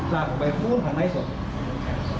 ลากออกไปพูดข้างในส่วน